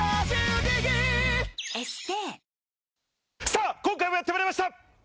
さぁ、今回もやってまいりました！